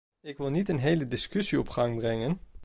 Ik wil niet een hele discussie op gang brengen.